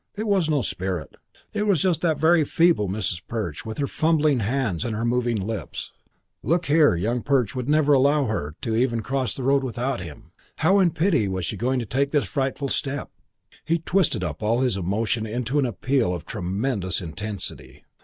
It was no spirit. It was just that very feeble Mrs. Perch with her fumbling hands and her moving lips. Look here, Young Perch would never allow her even to cross a road without him! How in pity was she to take this frightful step? He twisted up all his emotions into an appeal of tremendous intensity.